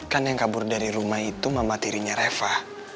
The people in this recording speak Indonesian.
kan yang kabur dari rumah itu mama tirinya reva